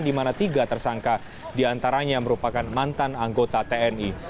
di mana tiga tersangka diantaranya merupakan mantan anggota tni